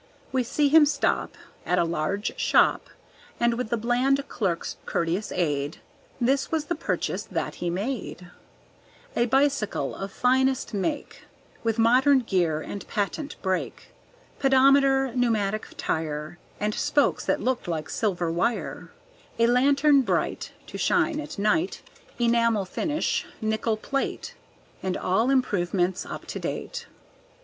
We see him stop At a large shop, And with the bland clerk's courteous aid This was the purchase that he made: A bicycle of finest make, With modern gear and patent brake, Pedometer, pneumatic tire, And spokes that looked like silver wire, A lantern bright To shine at night, Enamel finish, nickel plate, And all improvements up to date.